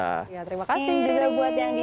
terima kasih riri